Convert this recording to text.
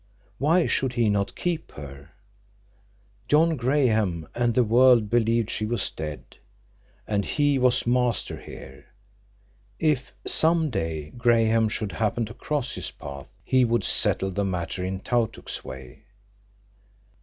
Why should he not keep her? John Graham and the world believed she was dead. And he was master here. If—some day—Graham should happen to cross his path, he would settle the matter in Tautuk's way.